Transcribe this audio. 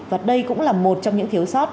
và đây cũng là một trong những thiếu sót